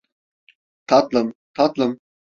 Tatlım, tatlım.